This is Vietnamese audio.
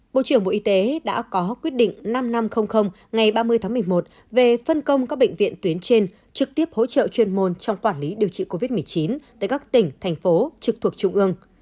bộ trưởng bộ y tế đã có quyết định năm nghìn năm trăm linh ngày ba mươi tháng một mươi một về phân công các bệnh viện tuyến trên trực tiếp hỗ trợ chuyên môn trong quản lý điều trị covid một mươi chín tại các tỉnh thành phố trực thuộc trung ương